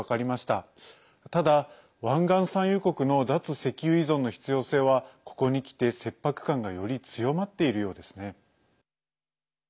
ただ、湾岸産油国の脱石油依存の必要性はここにきて切迫感がより強まっているようですね。